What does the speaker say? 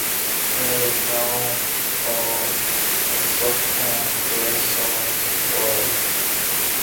It is known for its soft and breathable qualities.